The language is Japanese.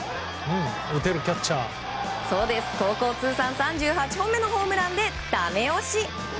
高校通算３８本目のホームランでダメ押し。